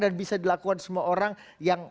dan bisa dilakukan semua orang yang